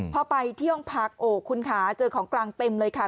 พอไปที่ห้องพักโอ้คุณค่ะเจอของกลางเต็มเลยค่ะ